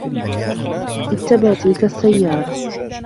اتبع تلك السيارة!